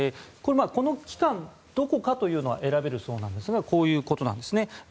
これ、この期間どこかというのは選べるそうですがこういうことなんですね。